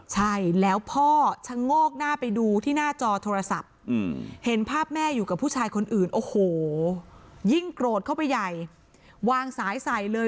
ใช่แล้วพ่อชะโงกหน้าไปดูที่หน้าจอโทรศัพท์เห็นภาพแม่อยู่กับผู้ชายคนอื่นโอ้โหยิ่งโกรธเข้าไปใหญ่วางสายใส่เลย